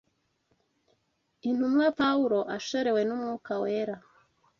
Intumwa Pawulo ashorewe n’Umwuka Wera